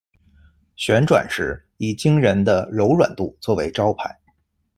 旋转时，以惊人的柔软度作为招牌。